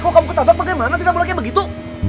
kalau kamu ketabrak bagaimana tidak boleh kayak begitu